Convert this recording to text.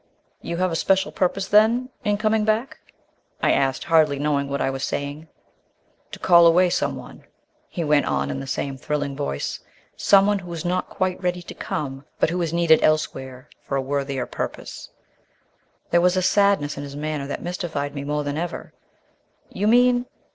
"You have a special purpose then in coming back?" I asked, hardly knowing what I was saying. "To call away someone," he went on in the same thrilling voice, "someone who is not quite ready to come, but who is needed elsewhere for a worthier purpose." There was a sadness in his manner that mystified me more than ever. "You mean